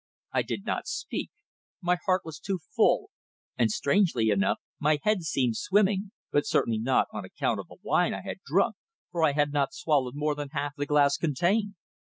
I did not speak. My heart was too full, and strangely enough my head seemed swimming, but certainly not on account of the wine I had drunk, for I had not swallowed more than half the glass contained.